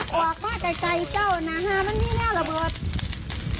นักออกมาใต้ไก่เก้านะฮะวันนี้เนี้ยระบบ